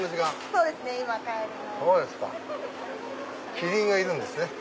キリンがいるんですね。